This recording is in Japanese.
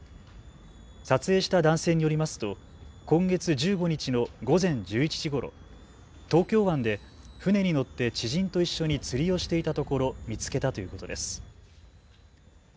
撮影した男性によりますと今月１５日の午前１１時ごろ、東京湾で船に乗って知人と一緒に釣りをしていたところ見つけたということです。